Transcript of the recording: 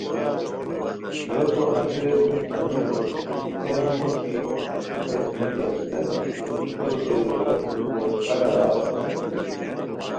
ریکو ہتے لوؤ صحیح ہوئے کی کیہ لوؤ کی ہیت دیتی اسیتانی، پوشوروتے رویو پوشورو خالہ را اسیتانی